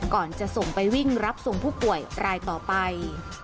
ก่อนจะส่งไปวิ่งรับส่งผู้ป่วยรายต่อไป